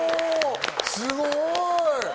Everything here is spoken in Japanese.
すごい！